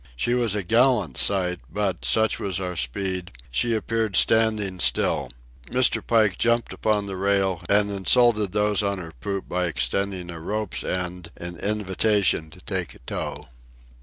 She was a gallant sight, but, such was our speed, she appeared standing still. Mr. Pike jumped upon the rail and insulted those on her poop by extending a rope's end in invitation to take a tow.